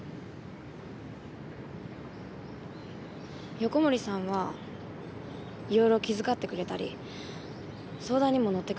横森さんは色々気遣ってくれたり相談にも乗ってくれました。